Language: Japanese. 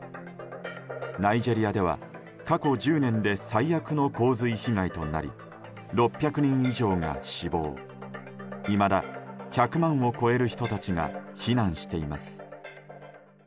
ナイジェリアでは過去１０年で最悪の洪水被害となり６００人以上が死亡いまだ１００万を超える人たちが避難しています。